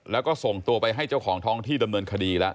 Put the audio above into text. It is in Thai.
แล้วก็ส่งตัวไปให้เจ้าของท้องที่ดำเนินคดีแล้ว